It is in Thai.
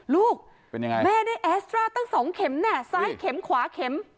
ลูกแม่นี่แอสตราตั้ง๒เข็มแน่ซ้ายเข็มขวาเข็ม